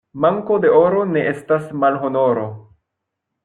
Manko de oro ne estas malhonoro.